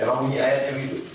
memang punya ayatnya begitu